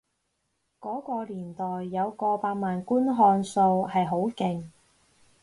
嗰個年代有過百萬觀看數係好勁